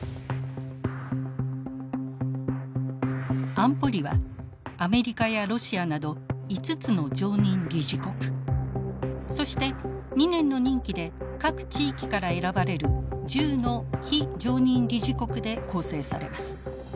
安保理はアメリカやロシアなど５つの常任理事国そして２年の任期で各地域から選ばれる１０の非常任理事国で構成されます。